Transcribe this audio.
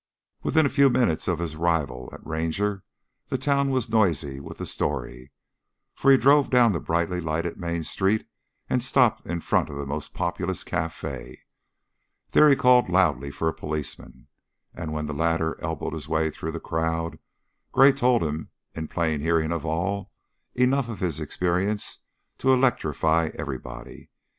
Within a few minutes of his arrival at Ranger, the town was noisy with the story, for he drove down the brightly lighted main street and stopped in front of the most populous cafe. There he called loudly for a policeman, and when the latter elbowed his way through the crowd, Gray told him, in plain hearing of all, enough of his experience to electrify everybody.